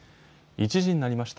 １時になりました。